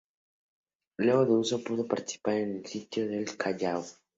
Luego de eso pudo participar en el sitio del Callao.